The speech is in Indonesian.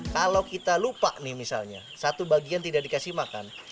kalau kita lupa nih misalnya satu bagian tidak dikasih makan